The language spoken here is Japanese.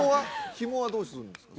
ひもはどうするんですか？